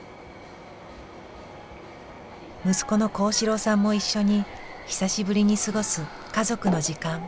息子の甲子郎さんも一緒に久しぶりに過ごす家族の時間。